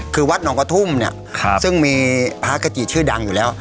คือวัดหนองกระทุ่มเนี่ยซึ่งมีพระกจิชื่อดังอยู่แล้ว